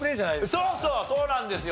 そうそうそうなんですよ。